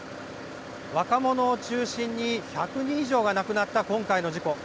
若者を中心に１００人以上が亡くなった今回の事故。